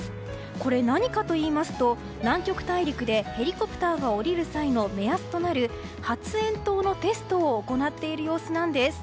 これ、何かといいますと南極大陸でヘリコプターが降りる際の目安となる発煙筒のテストを行っている様子です。